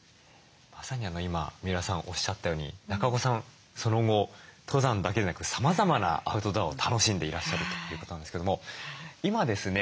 まさに今三浦さんがおっしゃったように中岡さんその後登山だけでなくさまざまなアウトドアを楽しんでいらっしゃるということなんですけども今ですね